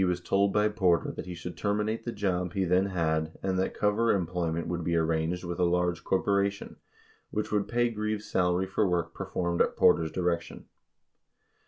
Greaves said he was told by Porter that he should terminate the job he then had and that cover employment would be arranged with a large corporation, which would pav Greaves' salary for work performed at Porter's direction.